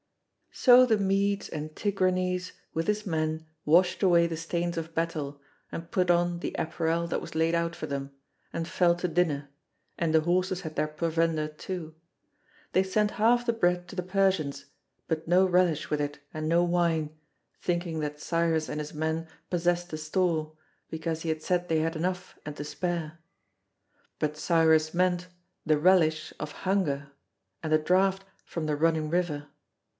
So the Medes and Tigranes with his men washed away the stains of battle, and put on the apparel that was laid out for them, and fell to dinner, and the horses had their provender too. They sent half the bread to the Persians but no relish with it and no wine, thinking that Cyrus and his men possessed a store, because he had said they had enough and to spare. But Cyrus meant the relish of hunger, and the draught from the running river.